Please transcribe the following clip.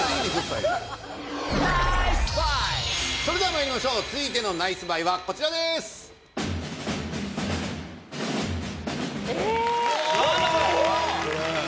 それではまいりましょう続いてのナイスバイはこちらです。うわ！